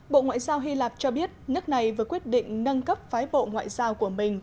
bộ ngoại giao hy lạp cho biết nước này vừa quyết định nâng cấp phái bộ ngoại giao của mình